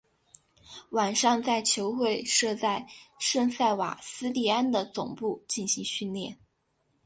晚上在球会设在圣塞瓦斯蒂安的总部进行训练。